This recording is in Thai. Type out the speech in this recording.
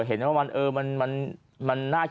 คุณธิชานุลภูริทัพธนกุลอายุ๓๔